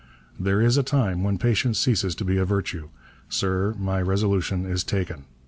There is a time when patience ceases to be a virtue. Sir, my resolution is taken.